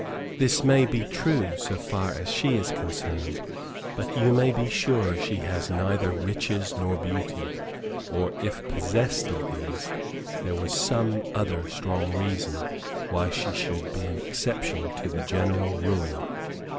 This may be true so far as she is concerned, but you may be sure she has neither riches nor beauty, or if possessed of these, there was some other strong reason why she should be an exception to the general rule.